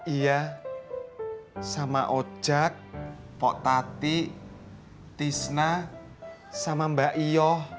iya sama ojok pok tati tisna sama mbak iyoh